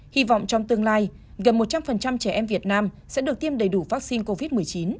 hy vọng trong tương lai gần một trăm linh trẻ em việt nam sẽ được tiêm đầy đủ vaccine covid một mươi chín